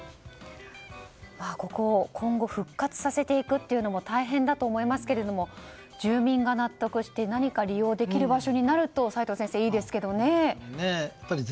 ここを今後復活させていくのも大変だと思いますが住民が納得して何か利用できる場所になるといいですけどね、齋藤先生。